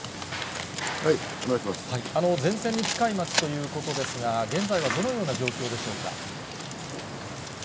前線に近い町ということですが、現在はどのような状況でしょうか。